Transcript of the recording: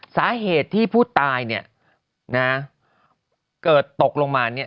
สาเหตุที่ผู้ตายเกิดตกลงมา